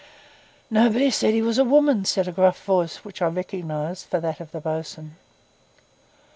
'Nobody said he was a woman,' said a gruff voice, which I recognised for that of the bo's'un.